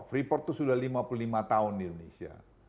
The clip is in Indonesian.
freeport itu sudah lima puluh lima tahun di indonesia